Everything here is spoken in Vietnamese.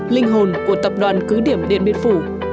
linh hồn của tập đoàn cứ điểm điện biên phủ